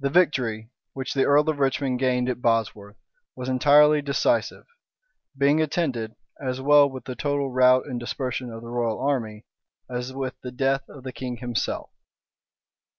{1485.} THE victory which the earl of Richmond gained at Bosworth was entirely decisive; being attended, as well with the total rout and dispersion of the royal army, as with the death of the king himself.